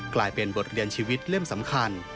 กลายเป็นบทเรียนชีวิตเล่มสำคัญ